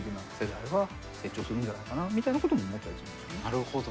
なるほど。